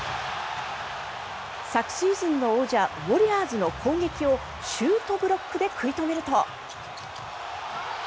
昨シーズンの王者ウォリアーズの攻撃をシュートブロックで食い止めると。